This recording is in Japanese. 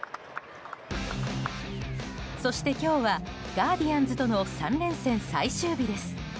そして今日はガーディアンズとの３連戦最終日です。